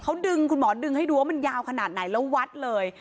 เขาดึงคุณหมอดึงให้ดูว่ามันยาวขนาดไหนแล้ววัดเลย